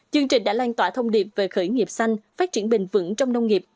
chương trình đã lan tỏa thông điệp về khởi nghiệp xanh phát triển bền vững trong nông nghiệp